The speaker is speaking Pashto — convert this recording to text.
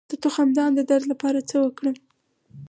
د تخمدان د درد لپاره باید څه وکړم؟